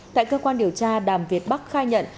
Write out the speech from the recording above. tại cơ quan điều tra đàm việt bắc khai nhận